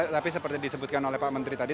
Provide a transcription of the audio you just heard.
tapi seperti disebutkan oleh pak menteri tadi